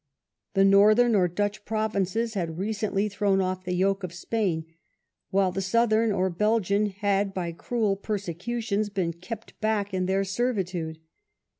The northern or Dutch pro vinces had recently thrown off the yoke of Spain, while the southern or Belgian had by cruel persecutions been kept back in their servitude.